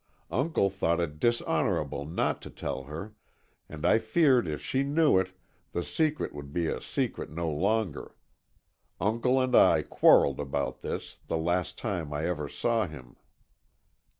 Uncle thought it dishonourable not to tell her, and I feared if she knew it, the secret would be a secret no longer. Uncle and I quarrelled about this, the last time I ever saw him."